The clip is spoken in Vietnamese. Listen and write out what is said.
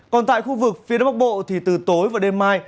còn tại khu vực phía đông bắc bộ thì từ tối và đêm mai